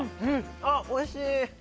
あっおいしい！